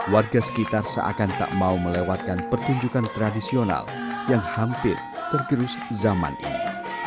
warga sekitar seakan tak mau melewatkan pertunjukan tradisional yang hampir tergerus zaman ini